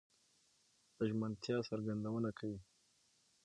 د ژمنتيا څرګندونه کوي؛